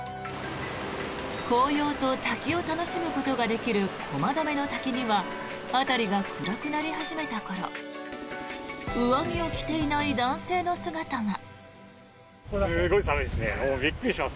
紅葉と滝を楽しむことができる駒止の滝には辺りが暗くなり始めた頃上着を着ていない男性の姿が。